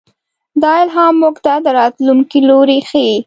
دا الهام موږ ته د راتلونکي لوری ښيي.